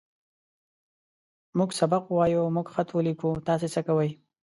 موږ سبق ووايه. موږ خط وليکو. تاسې څۀ کوئ؟